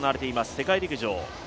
世界陸上。